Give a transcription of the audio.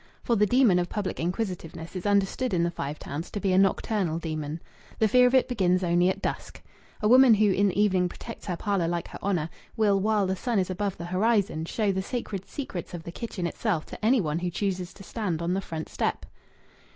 For the demon of public inquisitiveness is understood in the Five Towns to be a nocturnal demon. The fear of it begins only at dusk. A woman who in the evening protects her parlour like her honour, will, while the sun is above the horizon, show the sacred secrets of the kitchen itself to any one who chooses to stand on the front step.